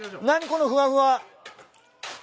このふわふわ。